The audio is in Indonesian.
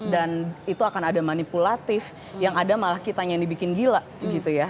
dan itu akan ada manipulatif yang ada malah kita nyanyi bikin gila gitu ya